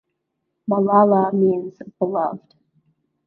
Malala means "beloved".